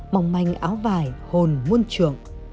mỏng manh áo vải hồn muôn trượng